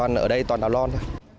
ở đây toàn đào lon